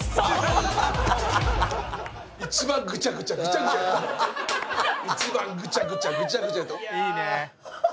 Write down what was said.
一番ぐちゃぐちゃぐちゃぐちゃと。